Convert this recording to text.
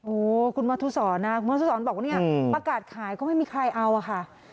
โอ้คุณมธุสรนะคุณมธุสรบอกว่าประกาศขายก็ไม่มีใครเอาค่ะ